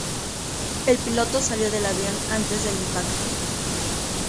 El piloto salió del avión antes del impacto.